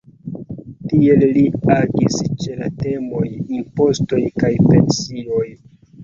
Tiel li agis ĉe la temoj impostoj kaj pensioj.